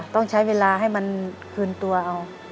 ต้องใช้เวลาให้มันคืนตัวเอา